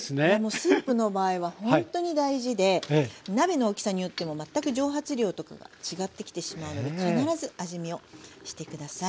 スープの場合はほんとに大事で鍋の大きさによっても全く蒸発量とかが違ってきてしまうので必ず味見をして下さい。